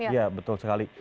iya betul sekali